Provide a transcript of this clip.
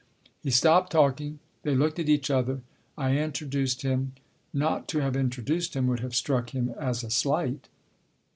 He stopped talking. They looked at each other. I introduced him. Not to have introduced him would have struck him as a slight.